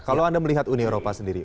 kalau anda melihat uni eropa sendiri